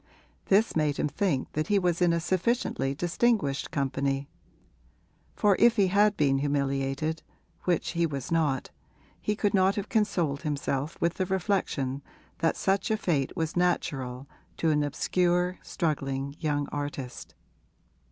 This made him think that he was in a sufficiently distinguished company, for if he had been humiliated (which he was not), he could not have consoled himself with the reflection that such a fate was natural to an obscure, struggling young artist.